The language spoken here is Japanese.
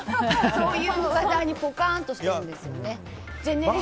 そういう話題にぽかんとしてるんですよね。